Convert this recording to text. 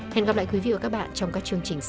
hẹn gặp lại quý vị và các bạn trong các chương trình sau